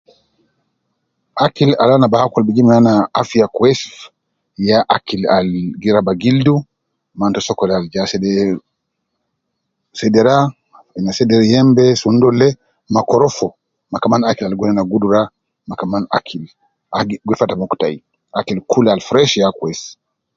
Akil al ana bi akul bi jib naana afiya kwes, ya akil al giraba gildu , maanato sokol ja asede sedera, seder yembe, sunu dolde ma korofo, ma kaman kaman akil al guwedi naana gudura, ma Kaman akil al gifata muku tayi. Akil kulu al fresh ya kuwes.